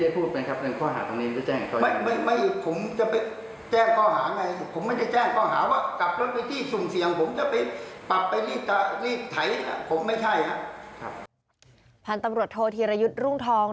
ผ่านตำรวจโทษธีรายุทธ์รุ่งทอง